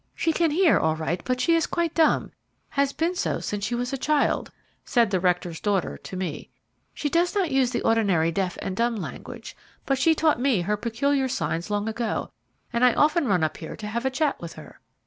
"She can hear all right, but she is quite dumb has been so since she was a child," said the rector's daughter to me. "She does not use the ordinary deaf and dumb language, but she taught me her peculiar signs long ago, and I often run up here to have a chat with her.